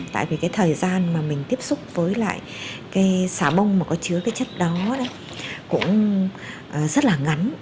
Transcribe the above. tại vì cái thời gian mà mình tiếp xúc với lại cái xà bông mà có chứa cái chất đó cũng rất là ngắn